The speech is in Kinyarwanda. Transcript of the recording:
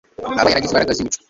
aba yaragize imbaraga z'imico